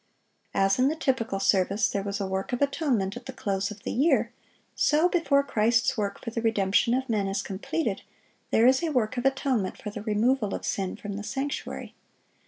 As in the typical service there was a work of atonement at the close of the year, so before Christ's work for the redemption of men is completed, there is a work of atonement for the removal of sin from the sanctuary.